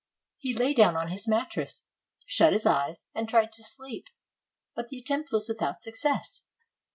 He lay down on his mattress, shut his eyes, and tried to sleep; but the attempt was without success.